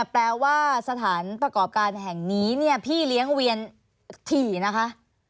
แปลว่าสถานประกอบการแห่งนี้เนี่ยพี่เลี้ยงเวียนถี่นะคะ